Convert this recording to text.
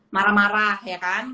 marah marah ya kan